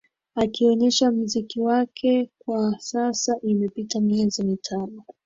akionyesha mziki wake kwa sasa imepita miezi mitano